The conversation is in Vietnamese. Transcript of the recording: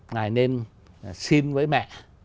ngài nên xin với mẹ